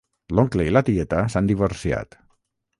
L'oncle i la tieta s'han divorciat